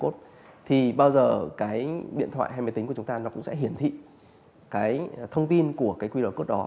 thì bao giờ điện thoại hay máy tính của chúng ta cũng sẽ hiển thị thông tin của qr đó